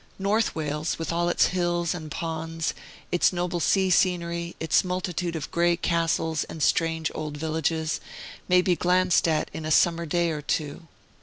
North Wales, with all its hills and ponds, its noble sea scenery, its multitude of gray castles and strange old villages, may be glanced at in a summer day or two.